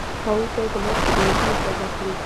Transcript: هغوی ته یې د مرستې امیدونه پیدا کړي دي.